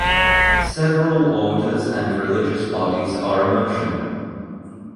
Several orders and religious bodies are emotional.